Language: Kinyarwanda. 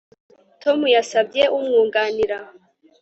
Tom yasabye umwunganira